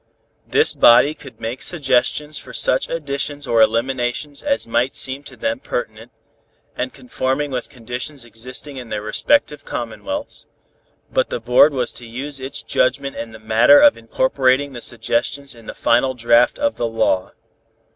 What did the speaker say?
This body could make suggestions for such additions or eliminations as might seem to them pertinent, and conforming with conditions existing in their respective commonwealths, but the board was to use its judgment in the matter of incorporating the suggestions in the final draft of the law.